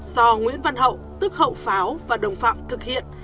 do nguyễn văn hậu tức hậu pháo và đồng phạm thực hiện